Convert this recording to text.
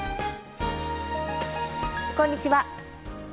こんにちは。